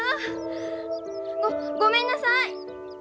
ごごめんなさい！